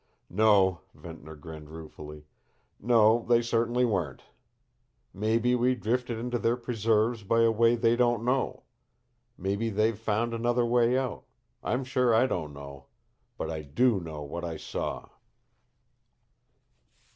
"No," Ventnor grinned ruefully. "No, they certainly weren't. Maybe we drifted into their preserves by a way they don't know. Maybe they've found another way out. I'm sure I don't know. But I DO know what I saw."